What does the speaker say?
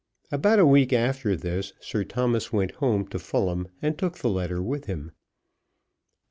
About a week after this Sir Thomas went home to Fulham, and took the letter with him.